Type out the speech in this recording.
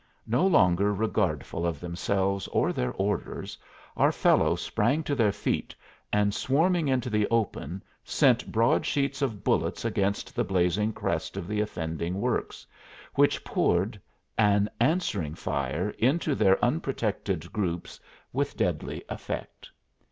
No longer regardful of themselves or their orders, our fellows sprang to their feet, and swarming into the open sent broad sheets of bullets against the blazing crest of the offending works, which poured an answering fire into their unprotected groups with deadly effect.